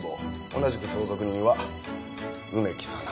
同じく相続人は梅木早苗。